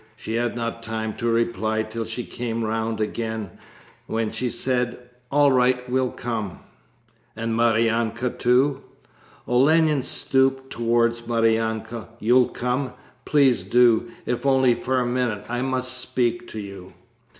She had not time to reply till she came round again, when she said: 'All right, we'll come.' 'And Maryanka too?' Olenin stooped towards Maryanka. 'You'll come? Please do, if only for a minute. I must speak to you.'